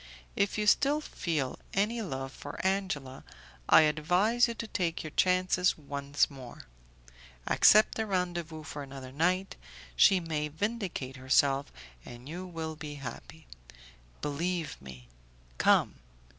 If you still feel any love for Angela, I advise you to take your chances once more. Accept a rendezvous for another night; she may vindicate herself, and you will be happy. Believe me; come.